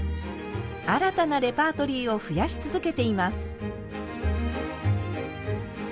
新たなレパートリーを増やし続けています。